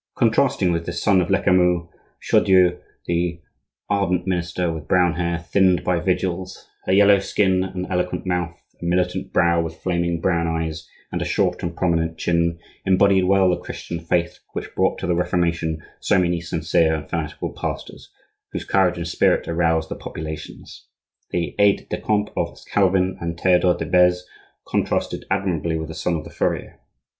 Contrasting with this son of Lecamus, Chaudieu, the ardent minister, with brown hair thinned by vigils, a yellow skin, an eloquent mouth, a militant brow, with flaming brown eyes, and a short and prominent chin, embodied well the Christian faith which brought to the Reformation so many sincere and fanatical pastors, whose courage and spirit aroused the populations. The aide de camp of Calvin and Theodore de Beze contrasted admirably with the son of the furrier.